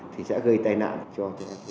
thì sẽ gây tai nạn cho